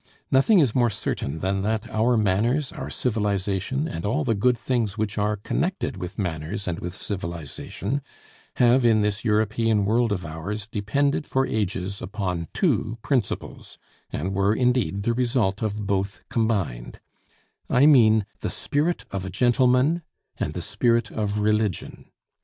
Nothing is more certain than that our manners, our civilization, and all the good things which are connected with manners and with civilization, have in this European world of ours depended for ages upon two principles, and were indeed the result of both combined: I mean the spirit of a gentleman and the spirit of religion.